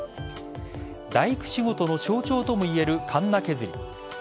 大工仕事の象徴ともいえるかんな削り。